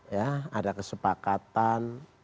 ya ada kesepakatan